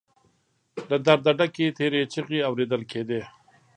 له درده ډکې تېرې چيغې اورېدل کېدې.